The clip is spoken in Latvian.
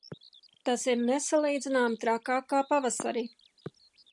Tas ir nesalīdzināmi trakāk kā pavasarī.